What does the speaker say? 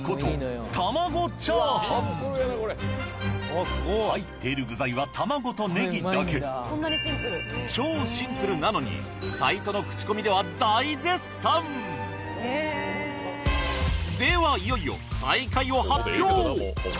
こちらが入っている具材は玉子とネギだけ超シンプルなのにサイトの口コミでは大絶賛ではいよいよ最下位を発表